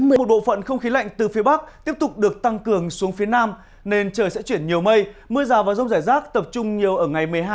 một bộ phận không khí lạnh từ phía bắc tiếp tục được tăng cường xuống phía nam nên trời sẽ chuyển nhiều mây mưa rào và rông rải rác tập trung nhiều ở ngày một mươi hai